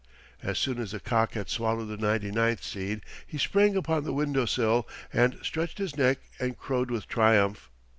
As soon as the cock had swallowed the ninety ninth seed he sprang upon the window sill, and stretched his neck and crowed with triumph.